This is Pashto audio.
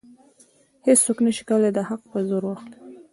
هیڅوک نشي کولی دا حق په زور واخلي.